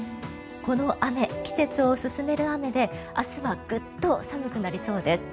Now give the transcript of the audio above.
この雨、季節を進める雨で明日はグッと寒くなりそうです。